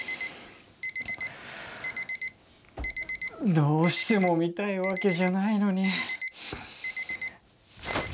どうしても見たいわけじゃないのに。